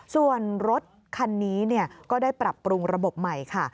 ส่วนรถคันนี้ก็ได้ปรับปรุงระบบใหม่ค่ะ